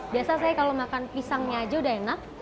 biasa saya kalau makan pisangnya aja udah enak